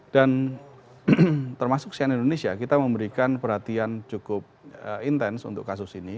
dan termasuk sian indonesia kita memberikan perhatian cukup intens untuk kasus ini